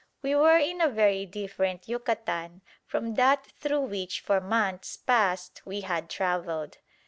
We were in a very different Yucatan from that through which for months past we had travelled.